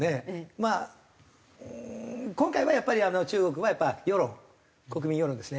まあ今回はやっぱり中国は世論国民世論ですね。